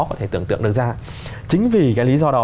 có thể tưởng tượng được ra chính vì cái lý do đó